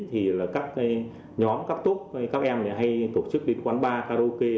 thì các nhóm các tốt các em hay tổ chức đến quán ba karaoke